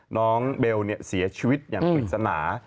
น้องเบลเสียชีวิตอย่างปริศนา